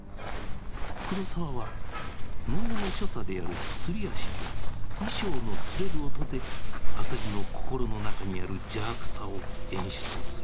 黒澤は能の所作であるすり足と衣装のすれる音で浅茅の心の中にある邪悪さを演出する。